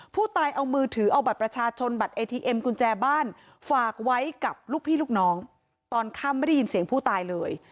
ผู้ตายเอามือถือเอาบัตรประชาชนบัตรเอทีเอ็มกุญแจบ้านฝากไว้กับลูกพี่ลูกน้องตอนค่ำไม่ได้ยินเสียงผู้ตายเลย